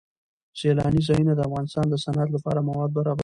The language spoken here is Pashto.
سیلانی ځایونه د افغانستان د صنعت لپاره مواد برابروي.